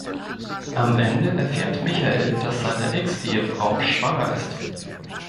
Am Ende erfährt Michael, dass seine Ex-Ehefrau schwanger ist.